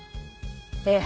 ええ。